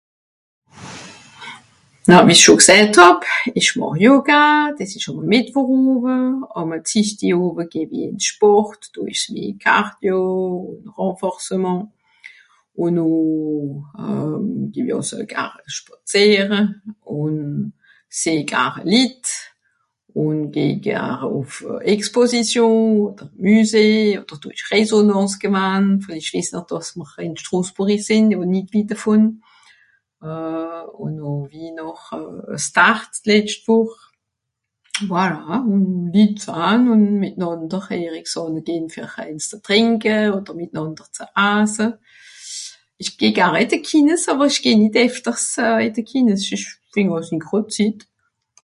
Na, wie ich scho gsäät hàb, ìch màch Yoga, dìs ìsch àme Mìttwoch Owe, àme Zischti Owe geh-w-i ìn Sport, do ìsch's meh Cardio ùn Renforcement. Ùn noh geh-w-i àlso gar spàzìere ùn sìeh gar Litt, ùn geh gar ùff Exposition, odder Müsée odder do ìsch Raisonnance gewann, (...) dàss mr ìn Strosbùrri sìnn odder nìt witt devùn, ùn noh wie noch (...) letscht Wùch. Voilà, (...) ùn mìtnànder erricks ànne gehn fer ebbs ze trìnke odder mìtnànder ze asse. Ìch geh gar ì de Kines àwer ìch geh nìt éfters ì de Kines ìsch fìnd (...) Zitt.